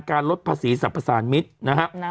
การลดภาษีสรรพสารมิตรนะฮะ